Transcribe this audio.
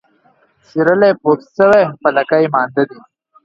سيرلى پوست سوى ، په لکۍ مانده دى.